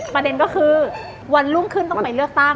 ประเด็นก็คือวันรุ่งขึ้นต้องไปเลือกตั้ง